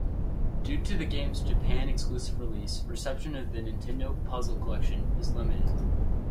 Due to the game's Japan-exclusive release, reception of "Nintendo Puzzle Collection" is limited.